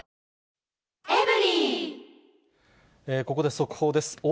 ここで速報です。